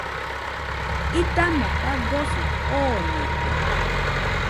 Idamo fagosi joonete.